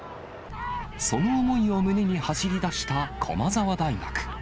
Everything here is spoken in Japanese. その思いを胸に走りだした駒澤大学。